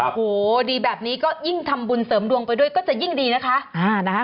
โอ้โหดีแบบนี้ก็ยิ่งทำบุญเสริมดวงไปด้วยก็จะยิ่งดีนะคะ